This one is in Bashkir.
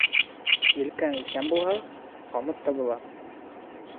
Елкәң иҫән булһа, ҡамыт табыла.